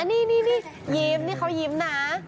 นี่นี่นี่ยิ้มนี่เขายิ้มนะ